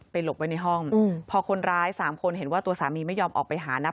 หลบไว้ในห้องพอคนร้ายสามคนเห็นว่าตัวสามีไม่ยอมออกไปหานะ